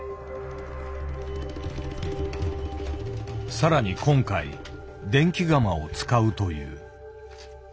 更に今回電気窯を使うという。